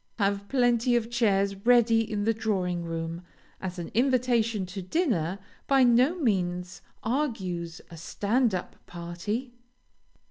Have plenty of chairs ready in the drawing room, as an invitation to dinner by no means argues a "stand up" party.